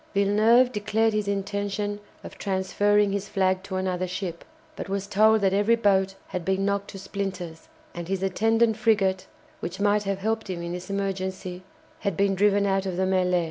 Villeneuve declared his intention of transferring his flag to another ship, but was told that every boat had been knocked to splinters, and his attendant frigate, which might have helped him in this emergency, had been driven out of the mêlée.